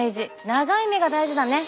長い目が大事だね。